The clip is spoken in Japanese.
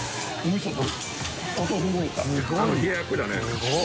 すごい。